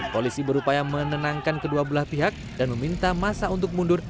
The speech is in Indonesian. polisi berupaya menenangkan kedua belah pihak dan meminta masa untuk mundur